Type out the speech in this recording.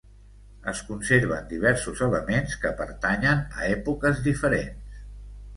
Es conserven diversos elements que pertanyen a èpoques diferents.